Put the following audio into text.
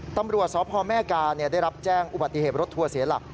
ตำรวจสพแม่กาได้รับแจ้งอุบัติเหตุรถทัวร์เสียหลัก